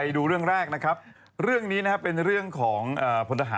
หนูต้องนั่งคิดเรื่องอยู่